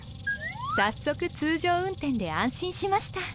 早速通常運転で安心しました。